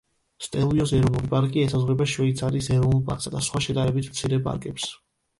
სტელვიოს ეროვნული პარკი ესაზღვრება შვეიცარიის ეროვნულ პარკსა და სხვა შედარებით მცირე პარკებს.